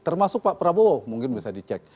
termasuk pak prabowo mungkin bisa dicek